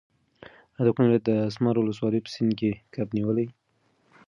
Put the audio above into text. ایا د کونړ ولایت د اسمار ولسوالۍ په سیند کې کب نیولی؟